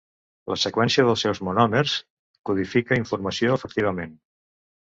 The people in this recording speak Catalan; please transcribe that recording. La seqüència dels seus monòmers codifica informació efectivament.